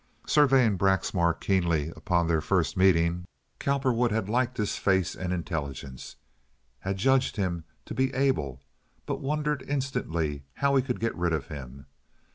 Surveying Braxmar keenly upon their first meeting, Cowperwood had liked his face and intelligence, had judged him to be able, but had wondered instantly how he could get rid of him.